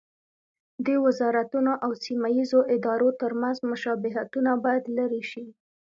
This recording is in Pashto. د وزارتونو او سیمه ییزو ادارو ترمنځ مشابهتونه باید لرې شي.